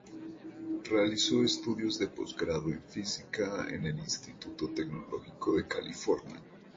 Realizó estudios de postgrado en Física en el Instituto Tecnológico de California.